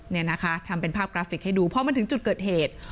เนี่ยนะคะทำเป็นภาพกราฟิกให้ดูพอมันถึงจุดเกิดเหตุ